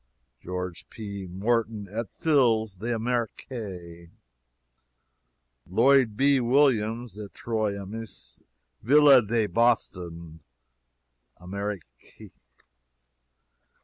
"George P. Morton et fils, d'Amerique. "Lloyd B. Williams, et trois amis, ville de Boston, Amerique.